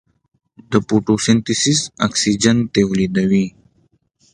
د فوټوسنتز اکسیجن تولیدوي.